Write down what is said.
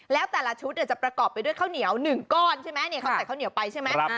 แล้วแต่ละชุดจะประกอบไปด้วยข้าวเหนียว๑ก้อนใช่ไหมนี่เขาใส่ข้าวเหนียวไปใช่ไหม